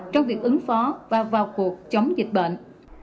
trong việc ứng phó và vào cuộc chống dịch bệnh